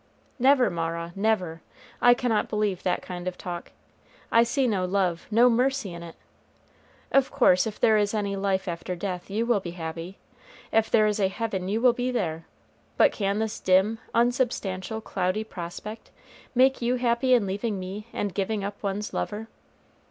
"Never, Mara, never. I cannot believe that kind of talk. I see no love, no mercy in it. Of course, if there is any life after death you will be happy; if there is a heaven you will be there; but can this dim, unsubstantial, cloudy prospect make you happy in leaving me and giving up one's lover?